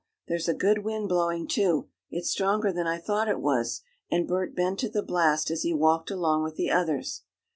There's a good wind blowing, too. It's stronger than I thought it was," and Bert bent to the blast as he walked along with the others.